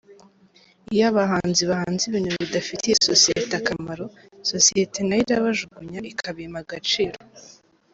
Iyo abahanzi bahanze ibintu bidafitiye sosiyete akamaro, sosiyete nayo irabajugunya ikabima agaciro.